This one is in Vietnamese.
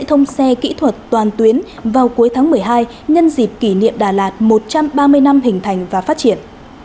thông xe kỹ thuật toàn tuyến vào cuối tháng một mươi hai nhân dịp kỷ niệm đà lạt một trăm ba mươi năm hình thành và phát triển